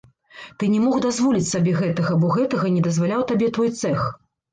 Ты не мог дазволіць сабе гэтага, бо гэтага не дазваляў табе твой цэх.